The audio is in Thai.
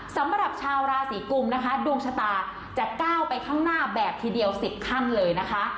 สำหรับชาวราศีกุมนะคะดวงชะตาจะก้าวไปข้างหน้าแบบทีเดียว๑๐ขั้นเลยนะคะ